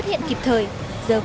có vẻ như không an tâm